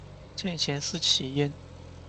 见贤思齐焉